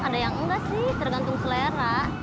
ada yang enggak sih tergantung selera